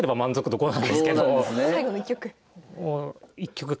最後の１局。